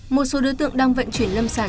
một số đối tượng đang vận chuyển lâm sản